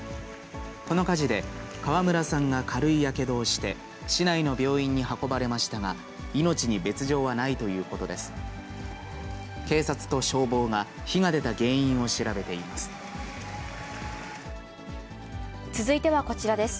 この火事で、川村さんが軽いやけどをして、市内の病院に運ばれましたが、命に別状はないということです。